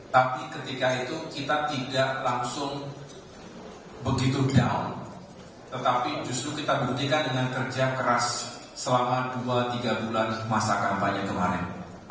tapi ketika itu kita tidak langsung begitu down tetapi justru kita buktikan dengan kerja keras selama dua tiga bulan masa kampanye kemarin